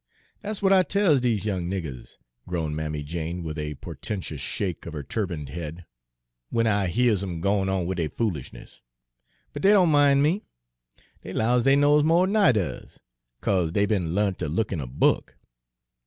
"Dat's w'at I tells dese young niggers," groaned Mammy Jane, with a portentous shake of her turbaned head, "w'en I hears 'em gwine on wid deir foolishniss; but dey don' min' me. Dey 'lows dey knows mo' d'n I does, 'ca'se dey be'n l'arnt ter look in a book.